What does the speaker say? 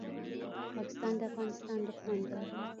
پاکستان د افغانستان دښمن دی.